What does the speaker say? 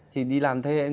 thì đi làm thế em